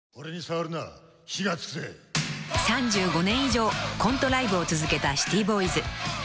［３５年以上コントライブを続けたシティボーイズ］